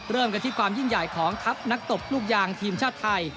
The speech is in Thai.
เริ่มกันที่ความยิ่งใหญ่ของทัพนักตบลูกยางทีมชาติไทย